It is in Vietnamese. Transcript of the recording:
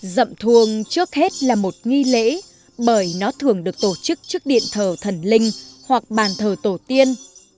dậm thuồng trước hết là một nghi lễ bởi nó thường được tổ chức trước điện thờ thần linh hoặc bàn thờ tổ tiên